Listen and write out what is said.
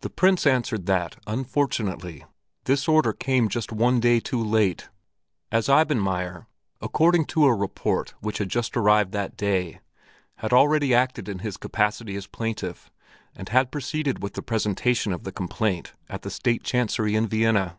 The Prince answered that, unfortunately, this order came just one day too late, as Eibenmaier, according to a report which had just arrived that day, had already acted in his capacity as plaintiff and had proceeded with the presentation of the complaint at the State Chancery in Vienna.